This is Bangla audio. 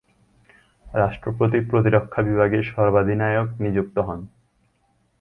রাষ্ট্রপতি প্রতিরক্ষা বিভাগের সর্বাধিনায়ক নিযুক্ত হন।